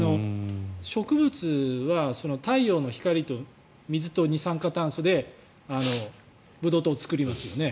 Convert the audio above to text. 植物は太陽の光と水と二酸化炭素でブドウ糖を作りますよね。